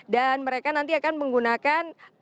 dan mereka nanti akan menggunakan